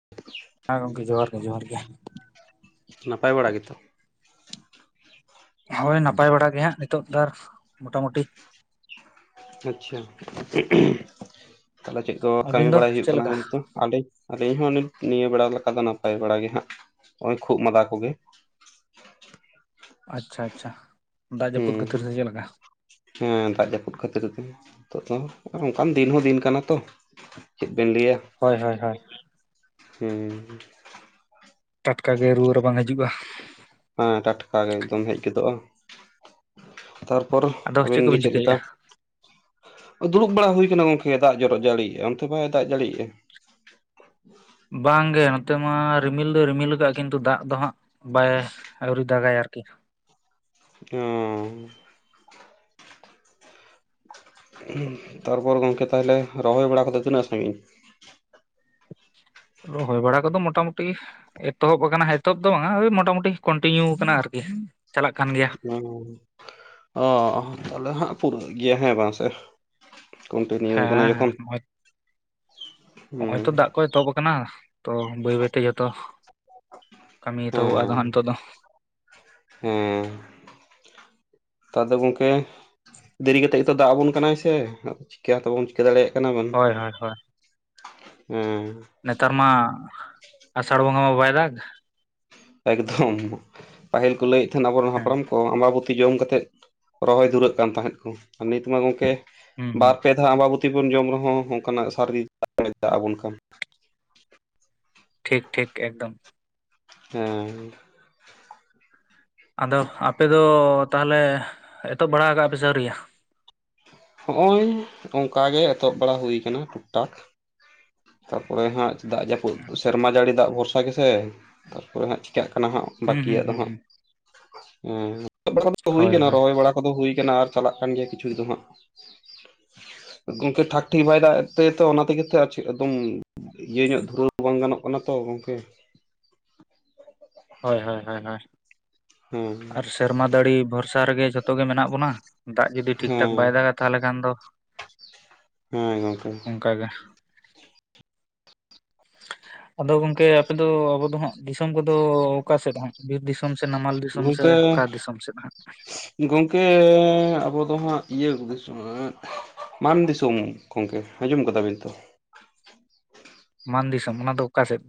[unintelligible] ᱦᱮᱸ ᱜᱚᱢᱠᱮ ᱡᱚᱦᱟᱨ ᱜᱮ ᱡᱚᱦᱟᱨ ᱜᱮ, ᱱᱟᱯᱟᱭ ᱵᱟᱲᱟ ᱜᱮᱛᱚ, ᱦᱳᱭ ᱱᱟᱯᱟᱭ ᱵᱟᱲᱟ ᱜᱮ ᱦᱟᱸᱜ ᱱᱤᱛᱚᱜ ᱫᱟᱨ ᱢᱚᱴᱟ ᱢᱩᱴᱤ, ᱟᱪᱪᱷᱟ ᱛᱟᱦᱚᱞᱮ ᱪᱮᱫ ᱠᱚ ᱠᱟᱹᱢᱤ ᱟᱹᱵᱤᱱ ᱫᱚ ᱵᱟᱲᱟᱭ ᱦᱩᱭᱩᱜ ᱪᱮᱫ ᱠᱟᱱᱟ ᱞᱮᱠᱟ ᱱᱤᱫ ᱫᱚ? ᱟᱞᱮᱠ ᱟᱞᱤᱧ ᱦᱚᱸ ᱱᱤᱭᱟᱹ ᱵᱮᱲᱟ ᱞᱮᱠᱟ ᱫᱚ ᱱᱟᱯᱟᱭ ᱵᱟᱲᱟ ᱜᱮ ᱦᱟᱸᱜ ᱱᱚᱜᱚᱭ ᱠᱷᱩᱜ ᱢᱟᱫᱟ ᱠᱚᱜᱮ᱾ ᱟᱪᱪᱷᱟ ᱟᱪᱪᱷᱟ᱾ ᱫᱟᱜ ᱡᱟᱹᱯᱩᱫ ᱦᱩᱸ ᱠᱷᱟᱹᱛᱤᱨ ᱦᱩᱸ ᱥᱮ [inaudible] ᱪᱮᱫ ᱞᱮᱠᱟ ᱦᱮᱸ ᱫᱟᱜ ᱡᱟᱹᱯᱩᱫ ᱠᱷᱟᱹᱛᱤᱨ ᱛᱮ ᱱᱤᱛᱚᱜ ᱫᱚ ᱚᱱᱠᱟᱱ ᱫᱤᱱ ᱦᱚᱸ ᱫᱤᱱ ᱠᱟᱱᱟ ᱛᱚ᱾ ᱪᱮᱫ ᱵᱤᱱ ᱞᱟᱹᱭᱟ ᱦᱳᱭ ᱦᱳᱭ ᱦᱳᱭ᱾ ᱦᱩᱸ, ᱴᱟᱴᱠᱟ ᱜᱮ ᱨᱩᱣᱟᱹ ᱨᱟᱵᱟᱝ ᱦᱤᱡᱩᱜ-ᱟ᱾ ᱦᱮᱸ ᱴᱟᱠᱟ ᱜᱮ ᱮᱠᱫᱚᱢ ᱦᱮᱡ ᱜᱚᱫᱚᱜ-ᱟ ᱛᱟᱨᱯᱚᱨ ᱟᱫᱚ ᱟᱹᱵᱤᱱ ᱜᱮ ᱠᱚᱵᱤᱱ ᱪᱮᱫ ᱞᱮᱠᱟ? ᱪᱤᱠᱟᱹᱭᱮᱫᱼᱟ ᱫᱩᱲᱩᱵ ᱵᱟᱲᱟ ᱦᱩᱭ ᱟᱠᱟᱱᱟ ᱜᱚᱝᱠᱮ ᱫᱟᱜ ᱡᱚᱨᱚᱜ ᱡᱟᱲᱤᱭ-ᱟ, ᱚᱱᱛᱮ ᱵᱟᱭ ᱫᱟᱜ ᱡᱟᱹᱲᱤᱭᱮᱜ-ᱟ? ᱵᱟᱝᱜᱮ ᱱᱚᱛᱮ ᱢᱟ ᱨᱤᱢᱤᱞ ᱫᱚᱭ ᱨᱤᱢᱤᱞ ᱠᱟᱜ-ᱟ ᱠᱤᱱᱛᱩ ᱫᱟᱜ ᱫᱚ ᱦᱟᱸᱜ ᱵᱟᱭ ᱟᱹᱣᱨᱤ ᱫᱟᱜᱟᱭ ᱟᱨᱠᱤ, ᱚᱻ ᱛᱟᱨᱯᱚᱨ ᱜᱚᱢᱠᱮ ᱛᱟᱦᱞᱮ ᱨᱚᱦᱚᱭ ᱵᱟᱲᱟ ᱠᱚᱫᱚ ᱛᱤᱱᱟᱹᱜ ᱥᱟᱹᱜᱤᱧ? ᱨᱚᱦᱚᱭ ᱵᱟᱲᱟ ᱠᱚᱫᱚ ᱢᱚᱴᱟᱢᱩᱴᱤ ᱮᱛᱚᱦᱚᱵ ᱟᱠᱟᱱᱟ ᱮᱛᱚᱵ ᱫᱚ ᱦᱟᱸ ᱳᱭ ᱢᱳᱴᱟᱢᱩᱴᱤ ᱠᱚᱱᱴᱤᱱᱤᱭᱩ ᱟᱠᱟᱱᱟ ᱟᱨᱠᱤ ᱪᱟᱞᱟᱜ ᱠᱟᱱ ᱜᱮᱭᱟ᱾ ᱚ ᱛᱟᱦᱞᱮ ᱦᱟᱸᱜ ᱯᱩᱨᱟᱹᱜ ᱜᱮᱭᱟ ᱦᱮᱸ ᱵᱟᱝ ᱥᱮ, ᱠᱚᱱᱴᱤᱱᱤᱭᱩ ᱦᱮᱸ ᱠᱟᱱᱟ ᱡᱚᱠᱷᱚᱱ ᱱᱚ-ᱚᱭ ᱛᱚ ᱦᱩᱸ ᱫᱟᱜ ᱠᱚ ᱮᱛᱚᱦᱚᱵ ᱟᱠᱟᱱᱟ᱾ ᱛᱚ ᱵᱟᱹᱭ ᱵᱟᱹᱭ ᱛᱮ ᱡᱚᱛᱚ ᱠᱟᱹᱢᱤ ᱦᱮᱸ ᱮᱛᱚᱦᱚᱵ-ᱟ ᱦᱟᱸᱜ ᱱᱤᱛᱚᱜ ᱫᱚ, ᱦᱮᱸ ᱱᱮᱛᱟᱨ ᱫᱚ ᱜᱚᱝᱠᱮ ᱫᱮᱨᱤ ᱠᱟᱛᱮ ᱱᱤᱛᱚᱜ ᱫᱟᱜ ᱟᱵᱚᱱ ᱠᱟᱱᱟᱭ ᱥᱮ ᱪᱤᱠᱟᱹ ᱦᱚᱸᱛᱚ ᱵᱟᱵᱚᱱ ᱪᱤᱠᱟᱹ ᱫᱟᱲᱮᱭᱟᱜ ᱠᱟᱱᱟ ᱵᱚᱱ, ᱦᱳᱭ ᱦᱳᱭ ᱦᱳᱭ ᱦᱮᱸ, ᱱᱮᱛᱟᱨ ᱢᱟ ᱟᱥᱟᱲ ᱵᱚᱸᱜᱟ ᱢᱟ ᱵᱟᱭ ᱫᱟᱜᱽ᱾ ᱮᱠᱫᱚᱢ ᱯᱟᱹᱦᱤᱞ ᱠᱚ ᱞᱟᱹᱭᱮᱫ ᱛᱟᱦᱮᱱᱟ ᱟᱵᱚᱨᱮᱱ ᱦᱮᱸ ᱦᱟᱯᱲᱟᱢ ᱠᱚ, ᱚ ᱟᱵᱟᱵᱩᱚᱛᱤ ᱡᱚᱢ ᱠᱟᱛᱮ ᱨᱚᱦᱚᱭ ᱫᱷᱩᱨᱟᱹᱜ ᱠᱟᱱ ᱛᱟᱦᱮᱸᱫ ᱠᱚ ᱱᱤᱛᱢᱟ ᱜᱚᱢᱠᱮ ᱦᱩᱸ ᱦᱩᱸ ᱵᱟᱨ ᱯᱮ ᱟᱵᱟᱵᱩᱚᱛᱤ ᱵᱚᱱ ᱡᱚᱢ ᱨᱮᱦᱚᱸ ᱚᱱᱠᱟᱱᱟᱜ ᱟᱜ ᱥᱟᱨᱫᱤ [inaudible] ᱫᱟᱜ ᱟᱵᱚᱱ ᱠᱟᱱ, ᱴᱷᱤᱠ ᱴᱷᱤᱠ ᱮᱠᱫᱚᱢ᱾ ᱦᱮᱸ, ᱟᱫᱚ ᱟᱯᱮ ᱫᱚ ᱛᱟᱦᱚᱞᱮ ᱮᱛᱚᱦᱚᱵ ᱵᱟᱲᱟ ᱠᱟᱜ ᱯᱮ ᱥᱮ ᱟ. ᱣᱨᱤᱭᱟ? ᱦᱚᱜ-ᱚᱭ ᱚᱱᱠᱟ ᱜᱮ ᱮᱛᱚᱦᱚᱵ ᱵᱟᱲᱟ ᱦᱩᱭ ᱟᱠᱟᱱᱟ ᱴᱩᱠ ᱴᱟᱠ, ᱛᱟᱨᱯᱚᱨᱮ ᱦᱟᱸᱜ ᱫᱟᱜ ᱡᱟᱹᱯᱩᱫ ᱟᱪᱪᱷᱟ ᱥᱮᱨᱢᱟ ᱟᱪᱪᱷᱟ ᱡᱟᱹᱲᱤ ᱫᱟᱜ ᱵᱷᱚᱨᱥᱟ ᱜᱮᱥᱮ ᱛᱟᱨᱯᱚᱨᱮ ᱦᱟᱸᱜ ᱪᱮᱤᱠᱟᱹᱜ ᱠᱟᱱᱟ ᱦᱟᱸᱜ᱾ ᱦᱩᱸ ᱦᱩᱸ ᱵᱟᱹᱠᱤᱭᱟᱜ ᱫᱚ ᱦᱩᱸ ᱦᱟᱸᱜ ᱦᱩᱸ ᱦᱮᱸ [inaudible] ᱫᱚ ᱦᱩᱭ ᱦᱳᱭ ᱠᱟᱱᱟ ᱦᱳᱭ ᱨᱚᱦᱚᱭ ᱵᱟᱲᱟ? ᱠᱚᱫᱚ ᱦᱩᱭ ᱟᱠᱟᱱᱟ ᱟᱨ ᱪᱟᱞᱟᱜ ᱠᱟᱱ ᱜᱮᱭᱟ ᱠᱤᱪᱷᱩ ᱫᱚ ᱦᱟᱸᱜ᱾ ᱜᱚᱢᱠᱮ ᱴᱷᱟᱠ ᱴᱷᱤᱠ ᱵᱟᱭ ᱫᱟᱜ ᱮᱫ ᱛᱮ ᱚᱱᱟᱛᱮᱜᱮ ᱛᱚ [inaudible] ᱤᱭᱟᱹ ᱧᱚᱜ ᱫᱷᱩᱨᱟᱹᱣ ᱵᱟᱝ ᱜᱟᱱᱚᱜ ᱠᱟᱱᱟ ᱛᱚ ᱜᱚᱝᱠᱮ, ᱦᱳᱭ ᱦᱳᱭ ᱦᱳᱭ ᱦᱳᱭ ᱾ ᱦᱮᱸ ᱟᱨ ᱥᱮᱨᱢᱟ ᱫᱟᱹᱲᱤ ᱵᱷᱚᱨᱥᱟ ᱨᱮᱜᱮ ᱡᱷᱚᱛᱚ ᱜᱮ ᱢᱮᱱᱟᱜ ᱵᱚᱱᱟ ᱫᱟᱜ ᱡᱩᱫᱤ ᱴᱷᱤᱠ ᱴᱷᱟᱠ ᱵᱟᱭ ᱦᱮᱸ ᱫᱟᱜᱟ, ᱛᱟᱦᱚᱞᱮ ᱠᱷᱟᱱ ᱫᱚ ᱦᱮᱸ ᱜᱚᱝᱠᱮ ᱾ ᱠᱟᱜᱮ, ᱟᱫᱚ ᱜᱚᱝᱠᱮ ᱟᱯᱮ ᱫᱚ ᱟᱵᱚ ᱫᱚ ᱦᱟᱸᱜ ᱫᱤᱥᱚᱢ ᱠᱚᱫᱚ ᱚᱠᱟ ᱥᱮᱫ ᱦᱟᱜ ᱵᱤᱨ ᱫᱤᱥᱚᱢ ᱥᱮ ᱱᱟᱢᱟᱞ ᱫᱤᱥᱚᱢ ᱥᱮ ᱜᱚᱝᱠᱮ ᱚᱠᱟ ᱫᱤᱥᱚᱢ ᱥᱮᱫ ᱦᱟᱸᱜ? ᱜᱚᱝᱠᱮ ᱟᱵᱚᱫᱚ ᱦᱟᱸᱜ ᱤᱭᱟᱹ ᱫᱤᱥᱚᱢ ᱢᱟᱱ ᱫᱤᱥᱚᱢ ᱜᱚᱝᱠᱮ ᱟᱸᱡᱚᱢ ᱠᱟᱫᱟ ᱵᱤᱱ ᱛᱚ? ᱢᱟᱱ ᱫᱤᱥᱚᱢ ᱚᱱᱟ ᱫᱚ ᱚᱠᱟ ᱥᱮᱫ?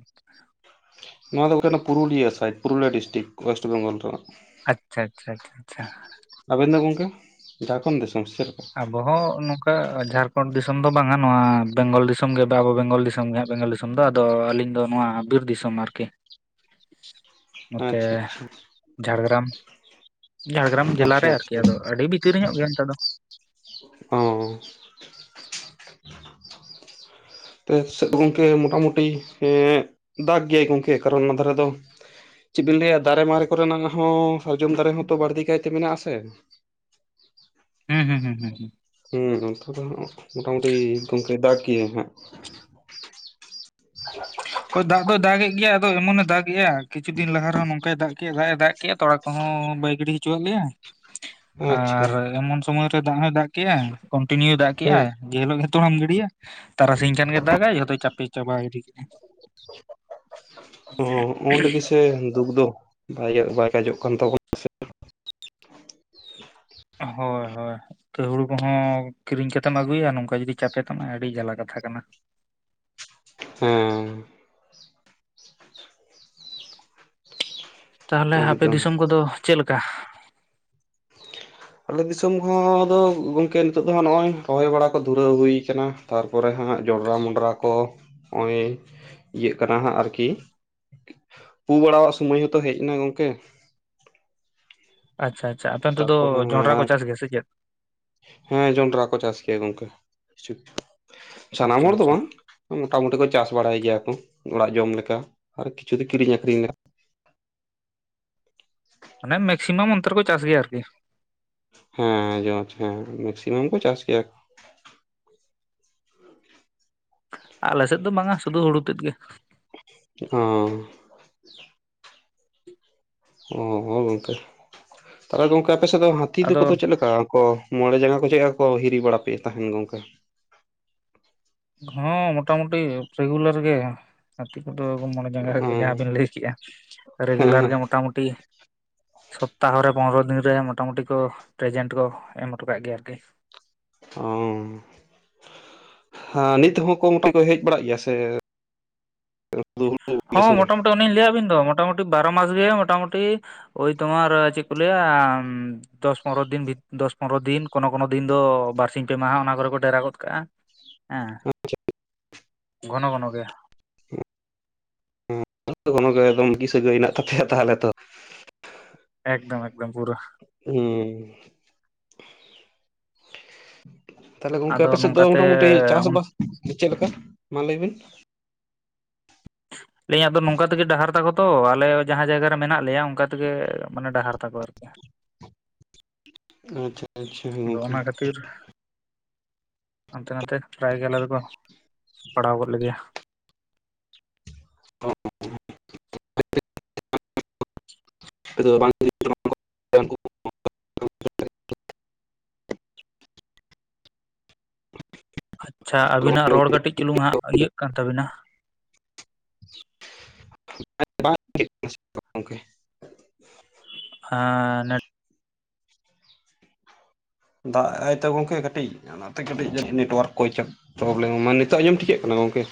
ᱱᱚᱣᱟ ᱫᱚ ᱜᱚᱝᱠᱮ Purulia site, Purulia district west Bengal ᱨᱮᱱᱟᱜ ᱾ ᱟᱪᱪᱷᱟ ᱟᱪᱪᱷᱟ ᱟᱪᱪᱷᱟ ᱟᱪᱪᱷᱟ ᱾ ᱟᱵᱮᱱ ᱫᱚ ᱜᱚᱝᱠᱮ ᱡᱷᱟᱲᱠᱷᱚᱸᱰ ᱫᱤᱥᱚᱢ ᱥᱮ ᱪᱮᱫ ᱞᱮᱠᱟ? ᱵᱚᱦᱚᱜ ᱱᱚᱝᱠᱟ ᱡᱷᱟᱨᱠᱷᱚᱸᱰ ᱫᱤᱥᱚᱢ ᱫᱚ ᱵᱟᱝᱼᱟ, ᱱᱚᱣᱟ ᱵᱮᱝᱜᱚᱞ ᱫᱤᱥᱚᱢ ᱜᱮ ᱵᱟ ᱟᱵᱚ ᱵᱮᱝᱜᱚᱞ ᱫᱤᱥᱚᱢ ᱜᱮᱦᱟᱸᱟᱜ ᱵᱮᱝᱜᱚᱞ ᱫᱤᱥᱚᱢ ᱾ ᱢᱮᱱ ᱫᱚ ᱟᱫᱚ ᱟᱹᱞᱤᱧ ᱫᱚ ᱱᱚᱣᱟ ᱵᱤᱨ ᱫᱤᱥᱚᱢ ᱟᱨᱠᱤ ᱾ [inaudible] ᱱᱚᱛᱮ ᱟᱪᱪᱷᱟ ᱟᱪᱪᱷᱟ ᱡᱷᱟᱲᱜᱨᱟᱢ ᱾ ᱡᱷᱟᱲᱜᱨᱟᱢ ᱡᱮᱞᱟ ᱟᱪᱪᱷᱟ ᱨᱮ ᱟᱨᱠᱤ ᱟᱫᱚ ᱟᱹᱰᱤ ᱵᱷᱤᱛᱨᱤ ᱧᱚᱜ ᱜᱮᱭᱟ ᱱᱮᱛᱟᱨ ᱫᱚ ᱾ ᱦᱚᱸ ᱾ ᱛᱮ ᱥᱮᱫ ᱜᱚᱝᱠᱮ ᱢᱚᱴᱟᱢᱩᱴᱤ ᱮᱸ ᱫᱟᱜ ᱜᱮᱭᱟᱭ ᱜᱚᱝᱠᱮ, ᱠᱟᱨᱚᱱ ᱚᱱᱟ ᱫᱷᱟᱨᱮ ᱫᱚ ᱪᱮᱫ ᱵᱤᱱ ᱞᱟᱹᱭᱟ ᱫᱟᱨᱮ ᱢᱟᱨᱮ ᱠᱚᱨᱮᱱᱟᱜ ᱦᱚᱸ ᱥᱟᱨᱡᱚᱢ ᱫᱟᱨᱮ ᱦᱚᱸᱛᱚ ᱵᱟᱹᱲᱛᱤ ᱠᱟᱭᱛᱮ ᱢᱮᱱᱟᱜᱼᱟ ᱥᱮ ᱾ ᱦᱩᱸ ᱦᱩᱸ ᱦᱩᱸ ᱦᱩᱸ ᱦᱩᱸ ᱾ ᱦᱮᱸ ᱜᱚᱝᱠᱮ ᱫᱚ ᱦᱟᱸᱜ ᱢᱚᱴᱟᱢᱩᱴᱤ ᱜᱚᱝᱠᱮ ᱫᱟᱜ ᱜᱮᱭᱟᱹᱭ ᱦᱟᱸᱜ ᱾ [inaudible] ᱦᱚᱭ ᱫᱟᱜ ᱫᱚ ᱫᱟᱜᱮᱜ ᱜᱮᱭᱟ ᱟᱫᱚ ᱮᱢᱚᱱᱮ ᱫᱟᱜᱮᱜᱼᱟ, ᱠᱤᱪᱷᱩ ᱫᱤᱱ ᱞᱟᱦᱟ ᱨᱮᱦᱚ ᱱᱚᱝᱠᱟᱭ ᱫᱟᱜ ᱠᱮᱜᱼᱟ ᱫᱟᱜ ᱮ ᱫᱟᱜ ᱠᱮᱜᱼᱟ ᱛᱚᱲᱟ ᱠᱚᱦᱚᱸ ᱵᱟᱭ ᱜᱤᱰᱤ ᱦᱚᱪᱚᱣᱟᱜ ᱞᱮᱭᱟ ᱾ ᱟᱪᱪᱷᱟ ᱟᱨ ᱮᱢᱚᱱ ᱥᱚᱢᱚᱭ ᱨᱮ ᱫᱟᱜ ᱦᱚᱸᱭ ᱫᱟᱜ ᱠᱮᱜᱼᱟᱭ ᱠᱚᱱᱴᱤᱱᱤᱭᱩ ᱫᱟᱜ ᱦᱩᱸ ᱠᱮᱜᱼᱟᱭ ᱡᱮ ᱦᱤᱞᱳᱜ ᱜᱮ ᱛᱚᱲᱟᱢ ᱜᱤᱲᱤᱭᱟ, ᱛᱟᱨᱟᱥᱤᱧ ᱠᱷᱟᱱ ᱜᱮ ᱫᱟᱜᱼᱟᱭ ᱡᱷᱚᱛᱚᱭ ᱪᱟᱯᱮ ᱪᱟᱵᱟᱭ ᱤᱫᱤ ᱠᱟᱜᱼᱟᱭ ᱾ ᱦᱚᱜᱼᱚ ᱚᱸᱰᱮ ᱜᱮᱥᱮ ᱫᱩᱠ ᱫᱚ ᱵᱟᱭ ᱵᱟᱭ ᱠᱟᱡᱚᱜ ᱠᱟᱱ ᱛᱟᱵᱚ ᱦᱳᱭ ᱦᱳᱭ ᱤᱛᱟᱹ ᱦᱩᱲᱩ ᱠᱚᱦᱚᱸ ᱠᱤᱨᱤᱧ ᱠᱟᱛᱮᱢ ᱟᱹᱜᱩᱭᱟ ᱱᱚᱝᱠᱟ ᱡᱩᱫᱤ ᱪᱟᱯᱮ ᱛᱟᱢᱟᱭ ᱟᱹᱰᱤ ᱡᱷᱟᱞᱟ ᱠᱟᱛᱷᱟ ᱠᱟᱱᱟ ᱾ ᱦᱮᱸ ᱾ ᱛᱟᱦᱚᱞᱮ ᱟᱯᱮ ᱮᱠᱫᱚᱢ ᱫᱤᱥᱚᱢ ᱠᱚᱫᱚ ᱪᱮᱫ ᱞᱮᱠᱟ? ᱟᱞᱮ ᱫᱤᱥᱚᱢ ᱦᱚ ᱫᱚ ᱜᱚᱝᱠᱮ ᱱᱤᱛᱚᱜ ᱫᱚ ᱦᱟᱸᱜ ᱱᱚᱜᱼᱚᱭ ᱨᱚᱦᱚᱭ ᱵᱟᱲᱟ ᱠᱚ ᱫᱷᱩᱨᱟᱹᱣ ᱦᱩᱭ ᱟᱠᱟᱱᱟ ᱾ ᱛᱟᱨᱯᱚᱨᱮ ᱦᱟᱸᱜ ᱡᱚᱸᱰᱨᱟ ᱢᱚᱸᱰᱨᱟ ᱠᱚ ᱱᱚᱜᱼᱚᱭ ᱤᱭᱟᱹᱜ ᱠᱟᱱᱟ ᱦᱟᱸᱜ ᱟᱨᱠᱤ ᱾ ᱯᱩ ᱵᱟᱲᱟᱣᱟᱜ ᱥᱚᱢᱚᱭ ᱦᱚᱸᱛᱚ ᱦᱮᱡ ᱮᱱᱟ ᱜᱚᱝᱠᱮ ᱾ ᱟᱪᱪᱷᱟ ᱟᱪᱪᱷᱟ, ᱟᱯᱮ ᱚᱱᱛᱮ ᱫᱚ ᱛᱟᱨᱯᱚᱨᱮ ᱡᱚᱱᱰᱨᱟ ᱠᱚ ᱪᱟᱥ ᱜᱮᱭᱟ ᱥᱮ ᱪᱮᱫ? ᱦᱮᱸ ᱡᱚᱱᱰᱨᱟ ᱠᱚ ᱪᱟᱥ ᱜᱮᱭᱟ ᱜᱚᱝᱠᱮ, ᱠᱤᱪᱷᱩ ᱥᱟᱱᱟᱢ ᱟᱪᱪᱷᱟ ᱦᱚᱲ ᱫᱚ ᱟᱪᱪᱷᱟ ᱵᱟᱝ ᱾ ᱢᱚᱴᱟᱢᱩᱴᱤ ᱠᱚ ᱪᱟᱥ ᱵᱟᱲᱟᱭ ᱜᱮᱭᱟ ᱠᱚ ᱚᱲᱟᱜ ᱡᱚᱢ ᱞᱮᱠᱟ ᱟᱨ ᱠᱤᱪᱷᱩ ᱫᱚ ᱠᱤᱨᱤᱧ ᱟᱠᱷᱨᱤᱧ ᱞᱮᱠᱟ ᱾ ᱢᱟᱱᱮ ᱢᱮᱠᱥᱤᱢᱟᱢ ᱚᱱᱛᱮᱨᱮ ᱠᱚ ᱪᱟᱥ ᱜᱮᱭᱟ ᱟᱨᱠᱤ ᱾ ᱦᱮᱸ ᱡᱚᱢ ᱦᱮᱸ ᱢᱮᱠᱥᱤᱢᱟᱢ ᱠᱚ ᱪᱟᱥ ᱜᱮᱭᱟ ᱾ ᱟᱞᱮ ᱥᱮᱫ ᱫᱚ ᱵᱟᱝᱼᱟ ᱥᱩᱫᱷᱩ ᱦᱩᱲᱩ ᱛᱮᱫ ᱜᱮ ᱾ ᱚᱸ ᱾ ᱚᱸ ᱜᱚᱝᱠᱮ, ᱛᱟᱦᱚᱞᱮ ᱜᱚᱝᱠᱮ ᱟᱯᱮᱥᱮᱫ ᱫᱚ ᱦᱟᱹᱛᱤ ᱟᱫᱚ ᱫᱚᱠᱚᱫᱚ ᱪᱮᱫ ᱞᱮᱠᱟ ᱠᱚ ᱢᱚᱬᱮ ᱡᱟᱸᱜᱟ ᱠᱚ ᱪᱮᱫ ᱞᱮᱠᱟ ᱠᱚ ᱦᱤᱨᱤ ᱵᱟᱲᱟᱯᱮ ᱛᱟᱦᱮᱱ ᱜᱚᱝᱠᱮ? ᱦᱚᱸ ᱢᱚᱴᱟᱢᱩᱴᱤ ᱨᱮᱜᱩᱞᱟᱨ ᱜᱮ ᱾ ᱦᱟᱛᱤ ᱠᱚᱫᱚ ᱢᱚᱬᱮ ᱡᱟᱸᱜᱟ ᱚᱸ ᱡᱟᱦᱟᱸ ᱵᱤᱱ ᱞᱟᱹᱭ ᱠᱮᱜᱼᱟ, ᱨᱮᱜᱩᱞᱟᱨ ᱜᱮ ᱦᱮᱸ ᱢᱳᱚᱴᱟᱢᱩᱴᱤ ᱥᱚᱯᱛᱟᱦᱚ ᱨᱮ ᱯᱚᱱᱨᱚ ᱫᱤᱱ ᱨᱮ ᱢᱚᱴᱟᱟᱢᱴᱤ ᱠᱚ ᱯᱨᱮᱡᱮᱱᱴ ᱠᱚ ᱮᱢ ᱦᱚᱴᱚ ᱠᱟᱜ ᱜᱮᱭᱟ ᱟᱨᱠᱤ ᱾ ᱚᱸ ᱦᱟᱸ ᱱᱤᱛ ᱦᱚᱸ ᱠᱚ ᱢᱚᱴᱮ ᱠᱚ ᱦᱮᱡ ᱵᱟᱲᱟᱜ ᱜᱮᱭᱟ ᱥᱮ? [unintelligible] ᱥᱚᱸᱝᱜᱮ ᱾ ᱩᱱᱤᱧ ᱞᱟᱹᱭᱟᱵᱤᱱ ᱫᱚ ᱢᱚᱴᱟᱢᱩᱴᱤ ᱵᱟᱨᱚ ᱢᱟᱥ ᱜᱮ ᱢᱚᱴᱟᱢᱩᱴᱤ ᱳᱭ ᱛᱳᱢᱟᱨ ᱪᱮᱜ ᱠᱚ ᱞᱟᱹᱭᱟ? ᱫᱚᱥ ᱯᱚᱱᱨᱚ ᱫᱤᱱ ᱫᱚᱥ ᱯᱚᱱᱨᱚ ᱫᱤᱱ ᱠᱳᱱᱳ ᱠᱚᱱᱱᱳ ᱫᱤᱱ ᱫᱚ ᱵᱟᱨᱥᱤᱧ ᱯᱮ ᱢᱟᱦᱟ ᱚᱱᱟ ᱠᱚᱨᱮ ᱠᱚ ᱰᱮᱨᱟ ᱜᱚᱜ ᱠᱟᱜᱼᱟ ᱾ ᱦᱮᱸ ᱜᱷᱚᱱᱚ ᱜᱷᱚᱱᱚ ᱜᱮ ᱾ [unintelligible] ᱥᱟᱹᱜᱟᱹᱭ ᱦᱮᱱᱟᱜ ᱛᱟᱯᱮᱟ ᱛᱟᱦᱚᱞᱮ ᱛᱚ ᱾ ᱮᱠᱫᱚᱢ ᱮᱠᱫᱚᱢ ᱯᱩᱨᱟᱹ ᱾ ᱦᱩᱸ ᱛᱟᱦᱞᱮ ᱜᱚᱝᱠᱮ ᱟᱫᱚ ᱟᱯᱮ ᱥᱮᱫ ᱫᱚ ᱱᱚᱝᱠᱟᱛᱮ ᱢᱚᱴᱟᱢᱩᱴᱤ ᱪᱟᱥᱵᱟᱥ ᱪᱮᱜ ᱞᱮᱠᱟ? ᱢᱟ ᱞᱟᱹᱭ ᱵᱤᱱ? ᱯᱮ ᱟᱫᱚ ᱱᱚᱝᱠᱟ ᱛᱮᱜᱮ ᱰᱟᱦᱟᱨ ᱛᱟᱠᱚ ᱛᱚ ᱟᱞᱮ ᱡᱟᱦᱟᱸ ᱡᱟᱭᱜᱟ ᱨᱮ ᱢᱮᱱᱟᱜ ᱞᱮᱭᱟ ᱚᱱᱠᱟ ᱛᱮᱜᱮ ᱢᱟᱱᱮ ᱰᱟᱦᱟᱨ ᱛᱟᱠᱚ ᱟᱨᱠᱤ ᱾ ᱟᱪᱪᱷᱟ ᱟᱪᱪᱷᱟ ᱟᱫᱚ ᱜᱚᱝᱠᱮ ᱚᱱᱟ ᱠᱷᱟᱹᱛᱤᱨ ᱦᱟᱱᱛᱮ ᱱᱟᱛᱮ ᱯᱨᱮᱭᱜᱮ ᱟᱞᱮ ᱫᱚᱠᱚ ᱯᱟᱲᱦᱟᱣ ᱜᱚᱫ ᱞᱮᱫᱮᱭᱟ ᱾ [inaudible] ᱞᱚᱜᱚᱱ ᱟᱪᱪᱷᱟ ᱟᱵᱤᱱᱟᱜ ᱞᱚᱜᱚᱱ ᱨᱚᱲ ᱠᱟᱹᱴᱤᱡ ᱪᱩᱞᱩᱝ ᱦᱟᱸᱜ ᱤᱭᱟᱹᱜ ᱠᱟᱱ ᱛᱟᱵᱤᱱᱟ [unintelligible] ᱜᱚᱝᱠᱮ ᱦᱟᱸ ᱱᱟᱹᱴ ᱫᱟᱜᱽᱟᱜ-ᱟᱭ ᱛᱳ ᱜᱚᱝᱠᱮ ᱠᱟᱹᱴᱤᱡ ᱚᱱᱟᱛᱮ ᱠᱟᱹᱴᱤᱡ ᱡᱟᱹᱱᱤᱡ ᱱᱮᱴᱣᱟᱨᱠ ᱠᱚᱭ ᱪᱚ ᱯᱨᱚᱵᱽᱞᱮᱢ ᱢᱟ ᱱᱤᱛᱚᱜ ᱟᱸᱡᱚᱢ ᱴᱷᱤᱠᱟᱹᱜ ᱠᱟᱱᱟ ᱜᱚᱝᱠᱮ?